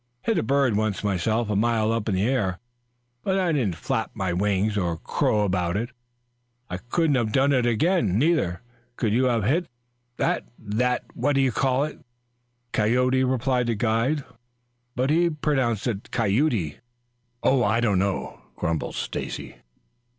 "Hit a bird once myself a mile up in the air, but I didn't flap my wings and crow about it. I couldn't have done it again. Neither could you have hit that that what do you call it!" "Coyote," replied the guide, but he pronounced it "kiute." "Oh, I don't know," grumbled Stacy.